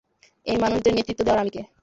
এই মানুষদের নেতৃত্ব দেওয়ার আমি কে?